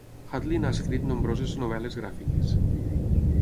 Hudlin ha escrit nombroses novel·les gràfiques.